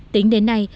tính đến nay